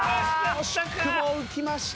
惜しくも浮きました。